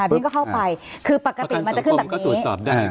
ประกันสังคมก็ตรวจสอบได้ครับ